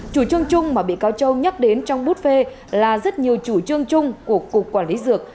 chủ trương chung mà bị cáo châu nhắc đến trong buốt phê là rất nhiều chủ trương chung của cục quản lý dược